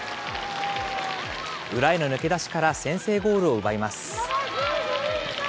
裏への抜け出しから先制ゴールを奪います。